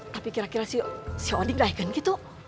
tapi kira kira si odin gaiken gitu